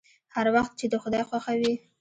هر وخت چې د خداى خوښه وي.